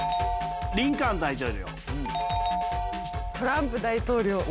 リンカーン大統領。